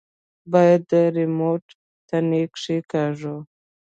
بايد د ريموټ تڼۍ کښېکاږو.